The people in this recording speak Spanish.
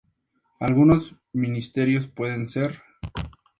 Algunos ministerios pueden ser